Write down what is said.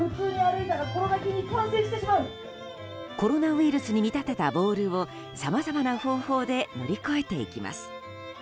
コロナウイルスに見立てたボールをさまざまな方法で乗り越えていきます。